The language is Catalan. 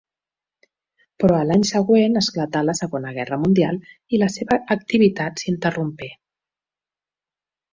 Però a l'any següent esclatà la Segona Guerra Mundial, i la seva activitat s'interrompé.